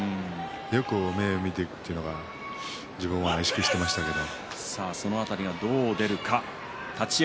よく目を見ていくというのは自分は意識していましたけれど。